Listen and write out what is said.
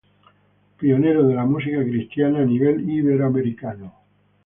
Pionero de la música cristiana a nivel iberoamericano.